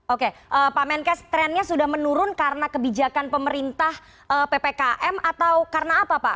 oke pak menkes trennya sudah menurun karena kebijakan pemerintah ppkm atau karena apa pak